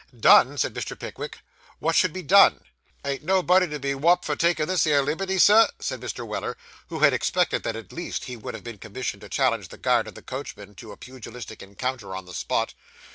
'Done!' said Mr. Pickwick. 'What should be done?' Ain't nobody to be whopped for takin' this here liberty, sir?' said Mr. Weller, who had expected that at least he would have been commissioned to challenge the guard and the coachman to a pugilistic encounter on the spot.